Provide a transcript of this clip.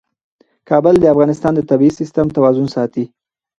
کابل د افغانستان د طبعي سیسټم توازن ساتي.